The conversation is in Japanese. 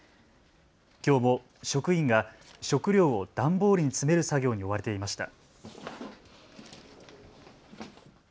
きょうも職員が食料を段ボールに詰める作業に追われていました。